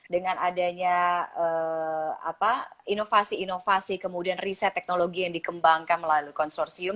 dengan adanya inovasi inovasi kemudian riset teknologi yang dikembangkan melalui konsorsium